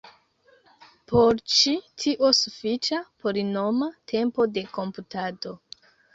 Por ĉi tio sufiĉa polinoma tempo de komputado.